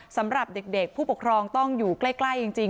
สำหรับเด็กผู้ปกครองต้องอยู่ใกล้จริง